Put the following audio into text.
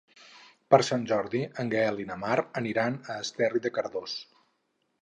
Per Sant Jordi en Gaël i na Mar aniran a Esterri de Cardós.